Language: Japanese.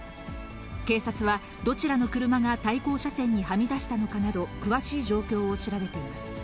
警察は、どちらの車が対向車線にはみ出したのかなど、詳しい状況を調べています。